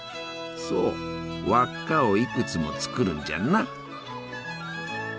そう輪っかをいくつも作るんじゃな！